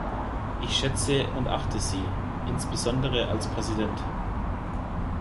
Ich schätze und achte Sie, insbesondere als Präsident.